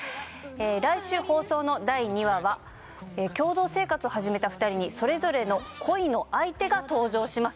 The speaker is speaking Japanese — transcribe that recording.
来週放送の第２話は共同生活を始めた２人にそれぞれの恋の相手が登場します